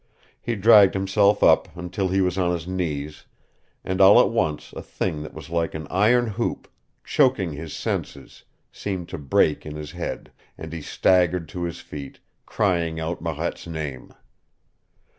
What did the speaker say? He dragged himself up until he was on his knees, and all at once a thing that was like an iron hoop choking his senses seemed to break in his head, and he staggered to his feet, crying out Marette's name.